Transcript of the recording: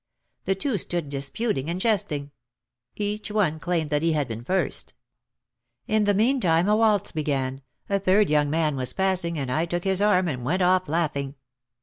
The two stood disputing and jesting. Each one claimed that he had been first. In the meantime a waltz began, a third young man was passing and I took his arm and went off laughing.